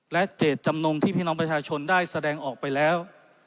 และเจตจำนงที่พี่น้องประชาชนได้แสดงออกไปแล้ว